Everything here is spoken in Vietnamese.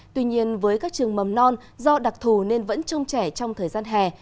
tuy nhiên với các trường mầm non do đặc thù nên vẫn trông trẻ trong thời gian hè